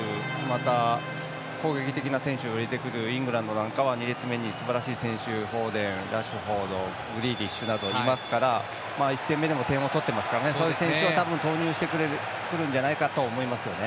また、攻撃的な選手を入れてくるイングランドなんかは２列目にすばらしい選手フォデン、ラッシュフォードグリーリッシュなどいますから１戦目でも点を取っているのでそういう選手を投入してくると思います。